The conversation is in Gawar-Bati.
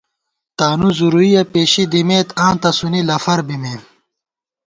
تانُو زُورُویہ پېشی دِمېت، آں تسُونی لَفر بِمېم